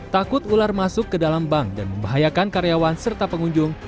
takut ular masuk ke dalam bank dan membahayakan karyawan serta pengunjung